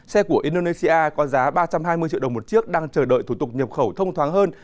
xe của indonesia có giá ba trăm hai mươi triệu đồng một chiếc đang chờ đợi thủ tục nhập khẩu thông thoáng hơn